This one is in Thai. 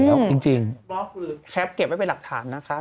บล็อกหรือแคปะไว้เป็นหลักฐานนะคะ